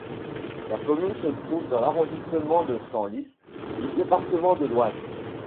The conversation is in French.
La commune se trouve dans l'arrondissement de Senlis du département de l'Oise.